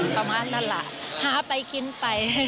ประมาณนั้นล่ะหาไปกินไป